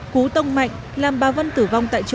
cú tông mạnh làm bà vân tử vong tại chỗ